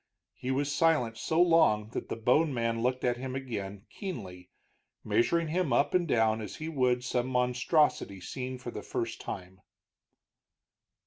He was silent so long that the bone man looked at him again keenly, measuring him up and down as he would some monstrosity seen for the first time.